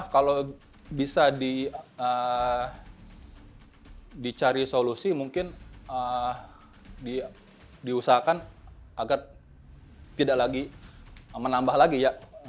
kalau bisa dicari solusi mungkin diusahakan agar tidak lagi menambah lagi ya